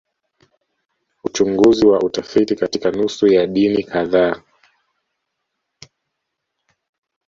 Uchunguzi wa utafiti katika nusu ya dini kadhaa